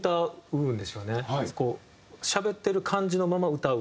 しゃべってる感じのまま歌う。